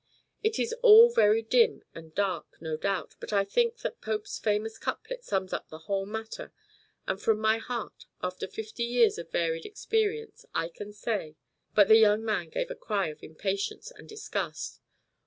It is all very dim and dark, no doubt; but I think that Pope's famous couplet sums up the whole matter, and from my heart, after fifty years of varied experience, I can say " But the young baronet gave a cry of impatience and disgust.